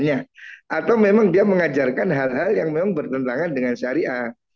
atau memang dia mengajarkan hal hal yang memang bertentangan dengan syariah